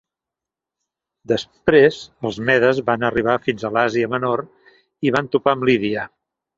Després els medes van arribar fins a l'Àsia Menor i van topar amb Lídia.